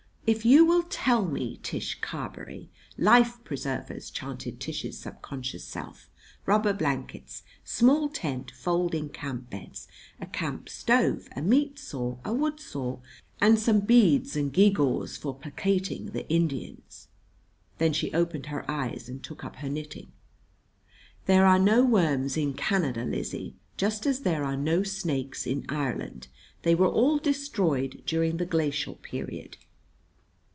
"If you will tell me, Tish Carberry " "Life preservers," chanted Tish's subconscious self, "rubber blankets, small tent, folding camp beds, a camp stove, a meat saw, a wood saw, and some beads and gewgaws for placating the Indians." Then she opened her eyes and took up her knitting. "There are no worms in Canada, Lizzie, just as there are no snakes in Ireland. They were all destroyed during the glacial period."